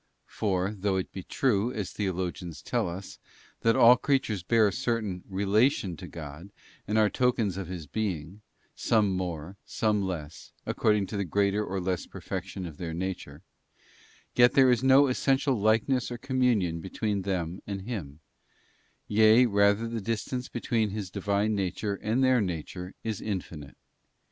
For, though it be true, as theologians tell us, that all creatures bear a certain relation to God, and are tokens of His Being, some more, some less, according to the greater or less perfection of their nature, yet there is no essential likeness or communion between them and Him; yea, rather the distance between His Divine Nature and their nature is infinite.